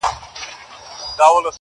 درته گران نه يمه زه